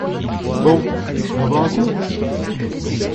Bon on va boire un coup?